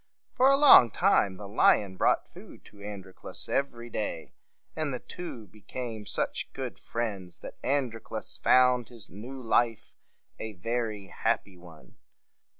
For a long time, the lion brought food to Androclus every day; and the two became such good friends, that Androclus found his new life a very happy one.